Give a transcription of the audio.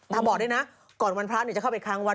บอกด้วยนะก่อนวันพระจะเข้าไปค้างวัด